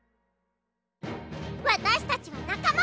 わたしたちはなかま！